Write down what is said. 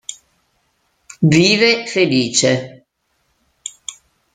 Vive felice.